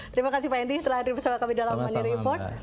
terima kasih pak hendy telah hadir bersama kami dalam mandiri report